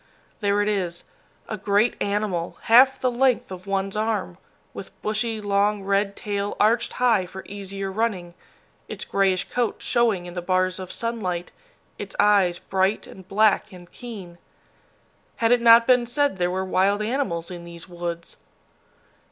There it is, a great animal, half the length of one's arm, with bushy, long red tail arched high for easier running, its grayish coat showing in the bars of sunlight, its eyes bright and black and keen. Had it not been said there were wild animals in these woods?